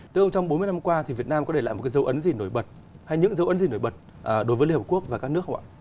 thưa ông trong bốn mươi năm qua thì việt nam có để lại một cái dấu ấn gì nổi bật hay những dấu ấn gì nổi bật đối với liên hợp quốc và các nước không ạ